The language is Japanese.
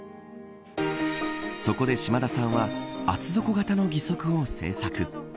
そこで島田さんは厚底型の義足を製作。